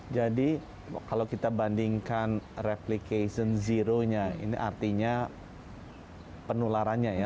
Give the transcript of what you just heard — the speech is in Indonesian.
jadi kalau kita bandingkan replication zero nya ini artinya penularannya ya